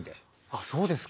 あっそうですか。